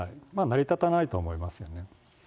成り立たないと思いますよね。